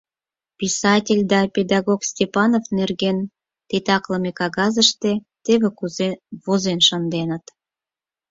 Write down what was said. Писатель да педагог Степанов нерген титаклыме кагазыште теве кузе возен шынденыт: